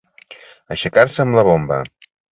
Aixecar-se amb la bomba.